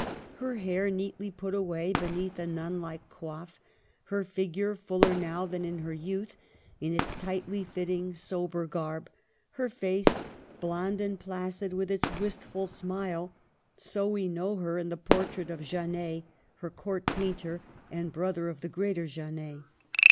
Her hair neatly put away beneath a nun like coif; her figure, fuller now than in her youth, in its tightly fitting, sober garb; her face, blond and placid, with its wistful smile, — so we know her, in the portrait of Janet, her court painter, and brother of the greater Janet.